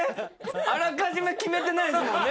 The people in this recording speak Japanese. あらかじめ決めてないんすもんね